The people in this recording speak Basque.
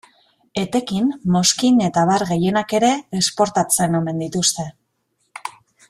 Etekin, mozkin eta abar gehienak ere, esportatzen omen dituzte.